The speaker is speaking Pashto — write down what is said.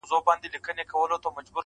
هغه کوهی دی جهاني هغه د وروڼو جفا -